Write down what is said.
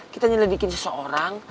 kita nyelidikin seseorang